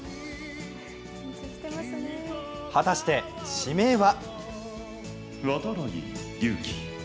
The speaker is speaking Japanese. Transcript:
果たして、指名は？